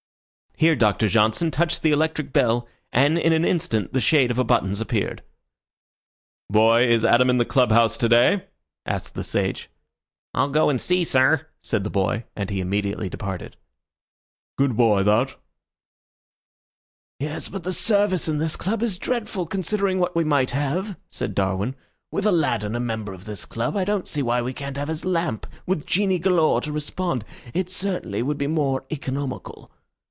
Here Doctor Johnson touched the electric bell, and in an instant the shade of a buttons appeared. "Boy, is Adam in the club house to day?" asked the sage. "I'll go and see, sir," said the boy, and he immediately departed. "Good boy that," said Thackeray. "Yes; but the service in this club is dreadful, considering what we might have," said Darwin. "With Aladdin a member of this club, I don't see why we can't have his lamp with genii galore to respond. It certainly would be more economical."